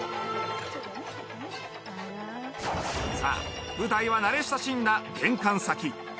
さあ舞台は慣れ親しんだ玄関先。